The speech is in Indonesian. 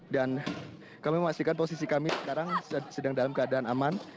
kami memastikan posisi kami sekarang sedang dalam keadaan aman